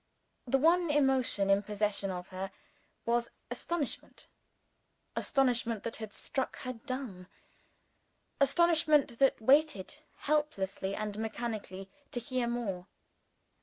The one emotion in possession of her was astonishment astonishment that had struck her dumb; astonishment that waited, helplessly and mechanically, to hear more.